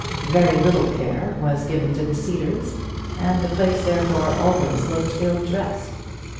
Very little care was given to the Cedars, and the place therefore always looked ill dressed.